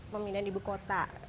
pembinaan ibu kota